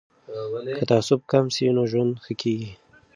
که تعصب کم سي نو ژوند ښه کیږي.